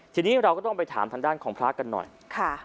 ทีนี้เราก็ต้องไปถามทางด้านของพระกันหน่อยค่ะ